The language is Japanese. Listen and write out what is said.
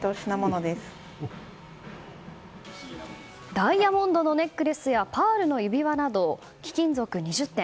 ダイヤモンドのネックレスやパールの指輪など貴金属２０点